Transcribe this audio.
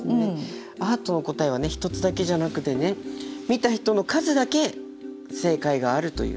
アートの答えはね一つだけじゃなくてね見た人の数だけ正解があるという。